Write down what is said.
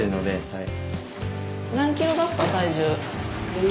はい。